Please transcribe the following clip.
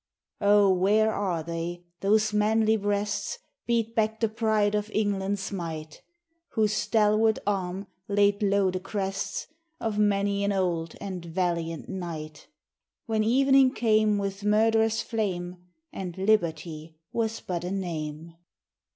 O! where are they, whose manly breasts Beat back the pride of England's might; Whose stalwart arm laid low the crests Of many an old and valiant knight; When evening came with murderous flame, And liberty was but a name?